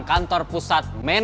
kantor pusat bumbang